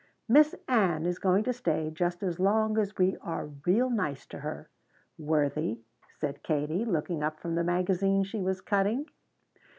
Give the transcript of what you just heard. "Miss Ann is going to stay just as long as we are real nice to her, Worthie," said Katie, looking up from the magazine she was cutting.